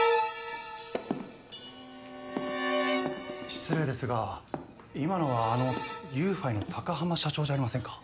失礼ですが今のはあのＹｏｕＦｉの高濱社長じゃありませんか？